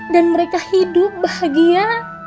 dan mereka hidup bahagia